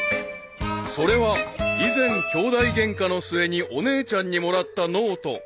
［それは以前きょうだいゲンカの末にお姉ちゃんにもらったノート］